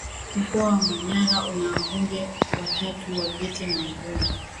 Mkoa wa Manyara una wabunge watatu wa Viti Maalum